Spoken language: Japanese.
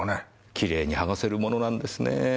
きれいにはがせるものなんですねぇ。